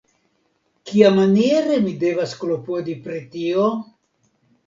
Kiamaniere mi devas klopodi pri tio?